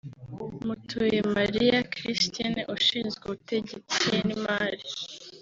Mutuyemariya Christine ushinzwe ubutegetsi n’imari